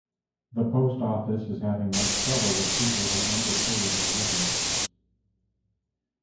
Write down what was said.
The Post Office is having much trouble with people who under-pay their letters.